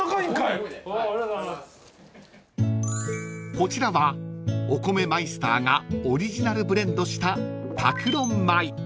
［こちらはお米マイスターがオリジナルブレンドしたたくろん米］